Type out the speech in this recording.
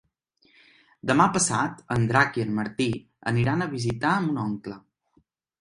Demà passat en Drac i en Martí iran a visitar mon oncle.